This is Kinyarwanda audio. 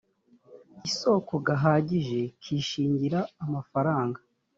isoko gahagije kishingira amafaranga